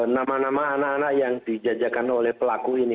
nama nama anak anak yang dijajakan oleh pelaku ini